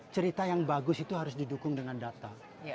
cerita yang bagus itu harus didukung dengan data